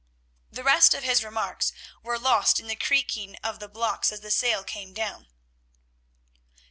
The rest of his remarks were lost in the creaking of the blocks as the sail came down.